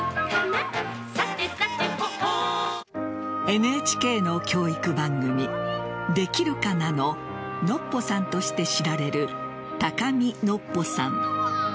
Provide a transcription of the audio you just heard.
ＮＨＫの教育番組「できるかな」のノッポさんとして知られる高見のっぽさん。